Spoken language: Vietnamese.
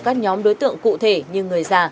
các nhóm đối tượng cụ thể như người già